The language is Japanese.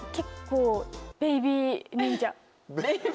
ベイビー忍者。